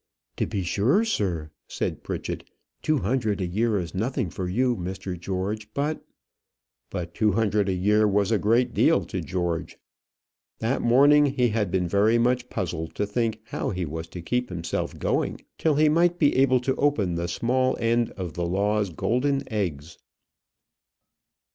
"To be sure, sir," said Pritchett, "two hundred a year is nothing for you, Mr. George; but " But two hundred a year was a great deal to George. That morning he had been very much puzzled to think how he was to keep himself going till he might be able to open the small end of the law's golden eggs.